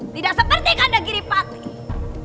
tidak seperti kandang giripati